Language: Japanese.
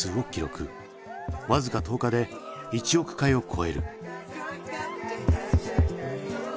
僅か１０日で１億回を超える。